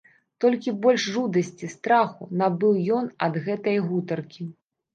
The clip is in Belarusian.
Толькі больш жудасці, страху набыў ён ад гэтае гутаркі.